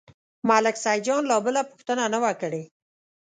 ملک سیدجان لا بله پوښتنه نه وه کړې.